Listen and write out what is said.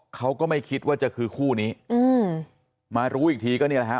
เขาก็ไม่คิดว่าจะคือคู่นี้อืมมารู้อีกทีก็นี่แหละฮะ